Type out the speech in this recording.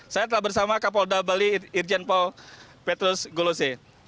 saya telah bersama kapolda bali irjen paul petrus golose